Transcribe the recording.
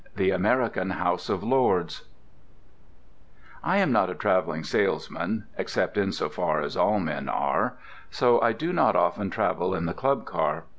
THE AMERICAN HOUSE OF LORDS I am not a travelling salesman (except in so far as all men are) so I do not often travel in the Club Car.